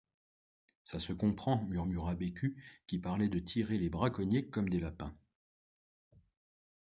Ça se comprend, murmura Bécu, qui parlait de tirer les braconniers comme des lapins.